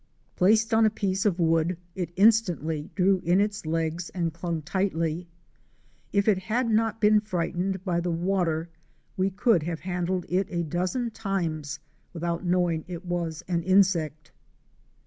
Placed on a piece of wood it instantly drew in its legs and clung tightly. If it had not been frightened by the water we could have handled it a dozen times without knowing it was an insect.